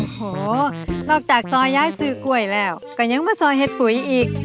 โหนอกจากซอยย้ายซื้อกล้วยแล้วก็ยังมาซอยเห็ดปุ๋ยอีก